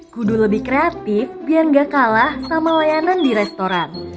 kudu lebih kreatif biar gak kalah sama layanan di restoran